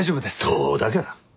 どうだか。